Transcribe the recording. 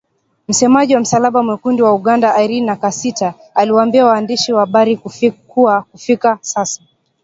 Msemaji wa Msalaba Mwekundu wa Uganda Irene Nakasita aliwaambia waandishi wa habari kuwa kufikia sasa